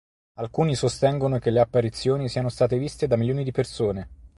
Alcuni sostengono che le apparizioni siano state viste da milioni di persone.